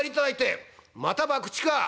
「また博打か！？